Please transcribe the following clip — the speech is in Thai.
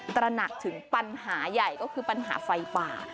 ตระหนักถึงปัญหาใหญ่ก็คือปัญหาไฟป่า